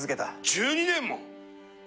１２年も⁉